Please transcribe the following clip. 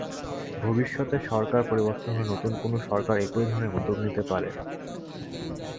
ভবিষ্যতে সরকার পরিবর্তন হলে নতুন কোনো সরকার একই ধরনের উদ্যোগ নিতে পারে।